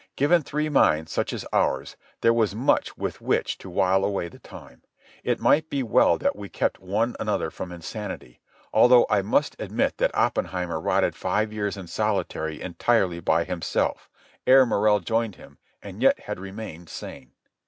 Given three minds such as ours, there was much with which to while away the time. It might well be that we kept one another from insanity, although I must admit that Oppenheimer rotted five years in solitary entirely by himself, ere Morrell joined him, and yet had remained sane.